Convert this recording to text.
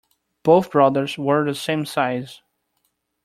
Both brothers wear the same size.